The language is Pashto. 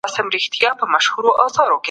رحمان بابا د خدای د یاد په حال کې تل و.